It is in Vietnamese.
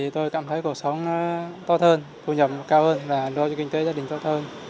tôi cảm thấy cuộc sống to hơn thu nhập cao hơn và đối với kinh tế gia đình to hơn